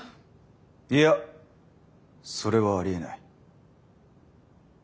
いやそれはありえない。